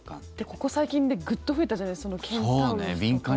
ここ最近でグッと増えたじゃないですか。